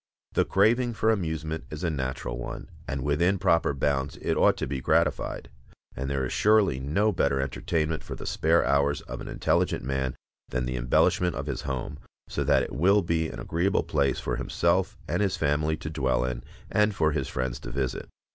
The craving for amusement is a natural one, and within proper bounds it ought to be gratified. And there is surely no better entertainment for the spare hours of an intelligent man than the embellishment of his home, so that it will be an agreeable place for himself and his family to dwell in, and for his friends to visit.